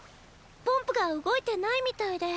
ポンプが動いてないミタイデ。